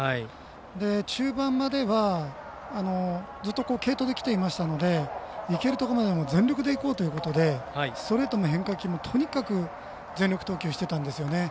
中盤までは、ずっと継投できていましたのでいけるところまで全力でいこうということでストレートも変化球もとにかく全力投球していたんですよね。